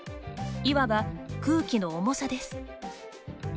いわば空気の重さです。